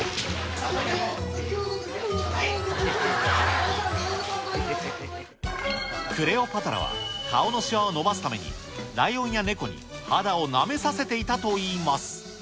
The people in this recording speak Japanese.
窮屈窮屈、クレオパトラは顔のしわを伸ばすために、ライオンや猫に肌をなめさせていたといいます。